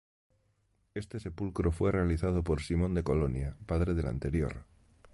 Este sepulcro fue realizado por Simón de Colonia, padre del anterior.